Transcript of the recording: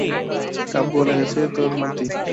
কাব্য লেগেছে তোর মতি।